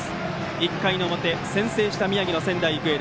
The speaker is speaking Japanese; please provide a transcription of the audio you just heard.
１回の表先制した宮城の仙台育英。